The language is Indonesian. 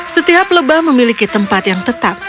setiap lebah memiliki tempat yang tetap